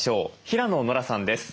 平野ノラさんです。